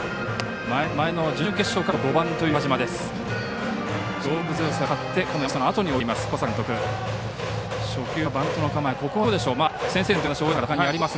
前の準々決勝からこの５番という岡島です。